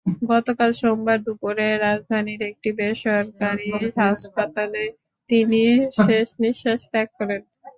গতকাল সোমবার দুপুরে রাজধানীর একটি বেসরকারি হাসপাতালে তিনি শেষনিশ্বাস ত্যাগ করেন।